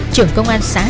trưởng công an xã